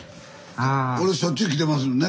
俺しょっちゅう来てますもんね